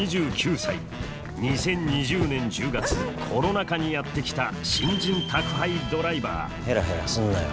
２０２０年１０月コロナ禍にやって来た新人宅配ドライバーヘラヘラすんなよ。